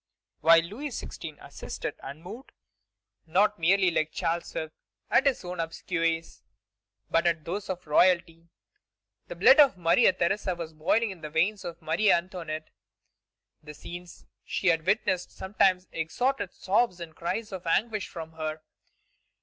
While Louis XVI. assisted unmoved, not merely like Charles V. at his own obsequies, but at those of royalty, the blood of Maria Theresa was boiling in the veins of Marie Antoinette. The scenes she had witnessed sometimes extorted sobs and cries of anguish from her.